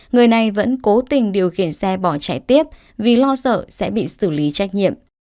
người này vẫn cố tình điều khiển xe bỏ chạy tiếp vì lo sợ sẽ bị xử lý trách nhiệm